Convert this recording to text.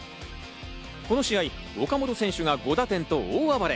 この試合、岡本選手が５打点と大暴れ。